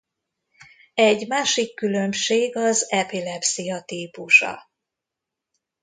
Egy másik különbség az epilepszia típusa.